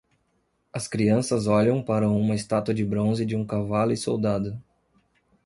As crianças olham para uma estátua de bronze de um cavalo e soldado.